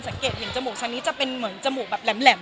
สังเกตเห็นจมูกชั้นนี้จะเป็นเหมือนจมูกแบบแหลม